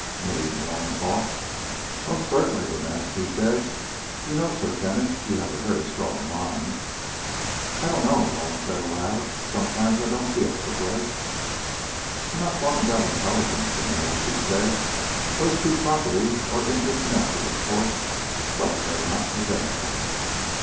Me? Malone thought. "Most certainly," Her Majesty said. "You know, Sir Kenneth, you have a very strong mind." "Oh, I don't know," Malone said aloud. "Sometimes I don't feel so bright." "I'm not talking about intelligence," Her Majesty said. "The two properties are interconnected, of course, but they are not identical.